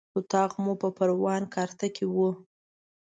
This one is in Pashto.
اطاق مو په پروان کارته کې و.